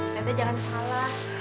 nanti jangan salah